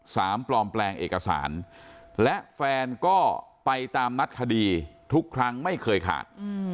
ปลอมแปลงเอกสารและแฟนก็ไปตามนัดคดีทุกครั้งไม่เคยขาด